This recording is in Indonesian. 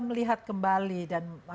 melihat kembali dan